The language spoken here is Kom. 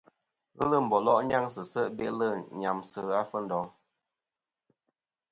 Ghelɨ mbòlo' nyaŋsɨ se' be'lɨ nyamsɨ ɨwe Fundong.